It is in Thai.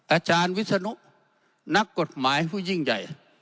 อาจารย์วิศนุนักกฎหมายผู้ยิ่งใหญ่